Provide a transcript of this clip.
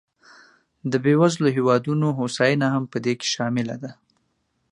د بېوزلو هېوادونو هوساینه هم په دې کې شامله ده.